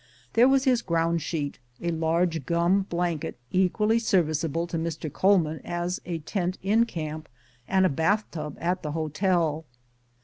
There was his ground sheet, a large gum blanket equally ser viceable to Mr. Coleman as a tent in camp and a bath tub at the hotel.